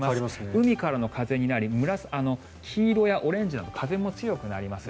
海からの風になり黄色やオレンジなど風も強くなります。